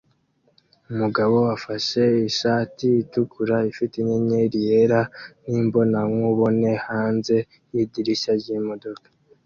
Umugabo afashe ishati itukura ifite inyenyeri yera nimbonankubone hanze yidirishya ryimodoka